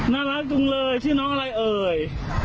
น่ารักจังเลยชื่อน้องอะไรเอ่ย